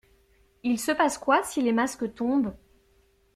Il se passe quoi si les masques tombent?